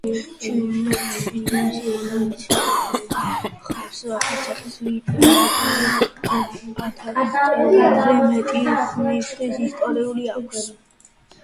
ჩინეთში ენციკლოპედიური სახის ლიტერატურას ორ ათასწლეულზე მეტი ხნის ისტორია აქვს.